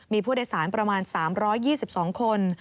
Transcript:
มีผู้โดยสารประมาณ๓๒๒คน